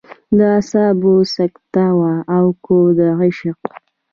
د اعصابو سکته وه او که د عشق.